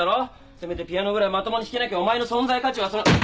せめてピアノぐらいまともに弾けなきゃお前の存在価値は。